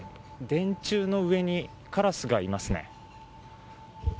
電柱の上にカラスがいますね。